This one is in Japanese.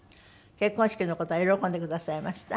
結婚式の事は喜んでくださいました？